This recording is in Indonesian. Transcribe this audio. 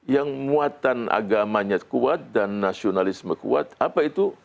yang muatan agamanya kuat dan nasionalisme kuat apa itu